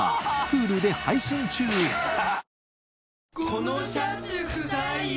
このシャツくさいよ。